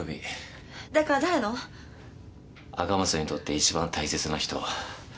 赤松にとって一番大切な人。